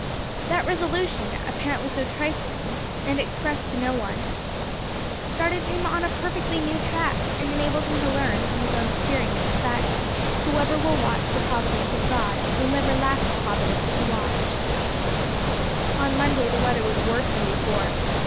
That resolution, apparently so trifling, and expressed to no one, started him on a perfectly new track, and enabled him to learn, from his own experience, that "whoever will watch the providence of God, will never lack a providence to watch." On Monday the weather was worse than before.